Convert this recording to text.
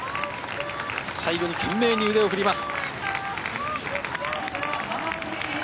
最後に懸命に腕を振ります。